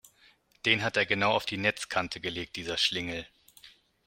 Den hat er genau auf die Netzkante gelegt, dieser Schlingel!